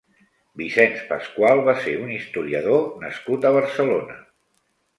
Vicenç Pascual va ser un historiador nascut a Barcelona.